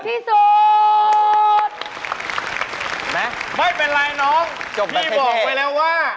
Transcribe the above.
พี่บอกไปแล้วว่า